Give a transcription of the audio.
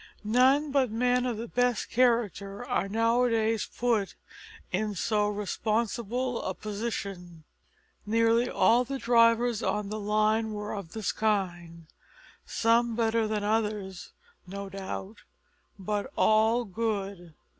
None but men of the best character are nowadays put in so responsible a position. Nearly all the drivers on the line were of this kind some better than others, no doubt, but all good.